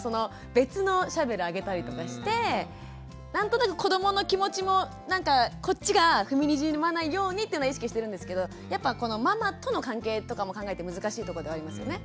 別のシャベルあげたりとかして何となく子どもの気持ちもなんかこっちが踏みにじらないようにっていうのは意識してるんですけどやっぱママとの関係とかも考えて難しいとこではありますよね。